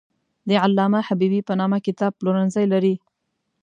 د علامه حبیبي په نامه کتاب پلورنځی لري.